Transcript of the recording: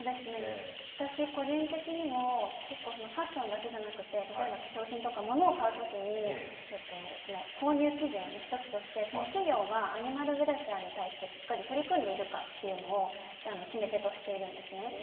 私、個人的にもファッションだけじゃなくて例えば化粧品とか物を買うときに購入基準の１つとして企業がアニマルウェルフェアに対してしっかり取り組んでいるかというのを決め手としているんですね。